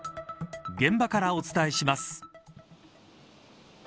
現場からお伝えします。